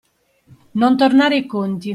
Non tornare i conti.